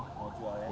mau jual ya